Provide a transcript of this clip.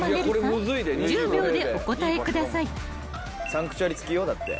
サンクチュアリ付きよだって。